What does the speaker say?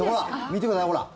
見てください、ほら。